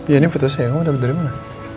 ya ini kutus saya kamu dapet dari mana